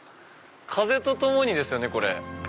『風と共に』ですよねこれ。